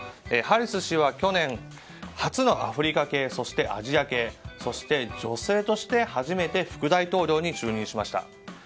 ハリス氏は去年初のアフリカ系・アジア系そして女性として初めて副大統領に就任しました。